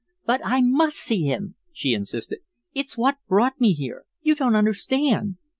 "But I MUST see him," she insisted. "It's what brought me here. You don't understand."